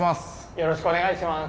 よろしくお願いします。